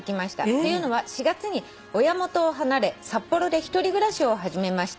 っていうのは４月に親元を離れ札幌で１人暮らしを始めました」